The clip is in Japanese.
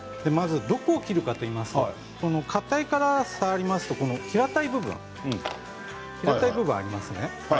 どこを切るかといいますとかたい殻を触りますと平たい部分がありますね。